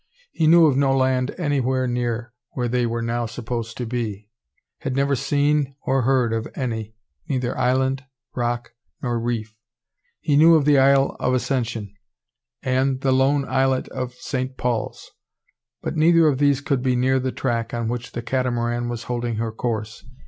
He knew of no land anywhere near where they were now supposed to be; had never seen or heard of any, neither island, rock, nor reef. He knew of the Isle of Ascension, and the lone islet of Saint Paul's. But neither of these could be near the track on which the Catamaran was holding her course.